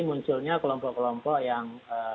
munculnya kelompok kelompok yang